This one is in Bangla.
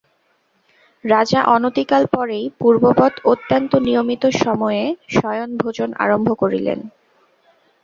রাজা অনতিকাল পরেই পূর্ববৎ অত্যন্ত নিয়মিত সময়ে শয়ন ভোজন আরম্ভ করিলেন।